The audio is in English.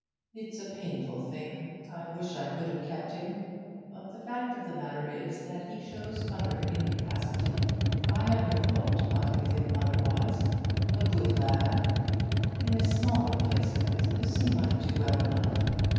It's a painful thing; I wish I could have kept him; but the fact of the matter is that he shows utter incapacity. I have no fault to find with him otherwise; a good lad; in a smaller place of business he might do well enough.